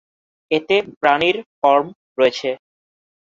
এতে প্রাণীর ফর্ম রয়েছে।